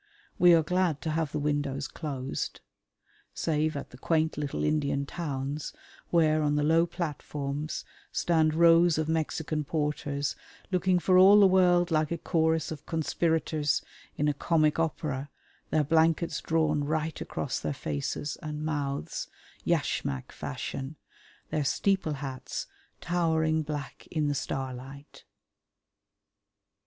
We are glad to have the windows closed, save at the quaint little Indian towns where on the low platforms stand rows of Mexican porters looking for all the world like a chorus of conspirators in a comic opera, their blankets drawn right across their faces and mouths, yashmak fashion, their steeple hats towering black in the starlight.